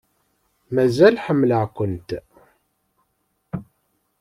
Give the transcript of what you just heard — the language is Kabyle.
Mazal ḥemmleɣ-kent.